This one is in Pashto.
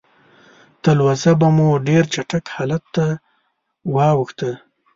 تلوسه به مو ډېر چټک حالت ته واوښته.